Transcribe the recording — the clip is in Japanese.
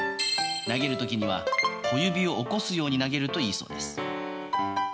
投げる時には小指を起こすように投げるといいそうです。